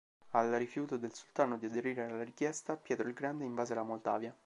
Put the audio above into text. Al rifiuto del sultano di aderire alla richiesta, Pietro il Grande invase la Moldavia.